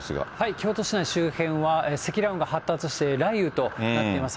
京都市内周辺は、積乱雲が発達して、雷雨となっています。